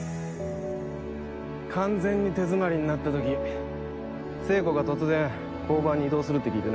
完全に手詰まりになった時聖子が突然交番に異動するって聞いてな。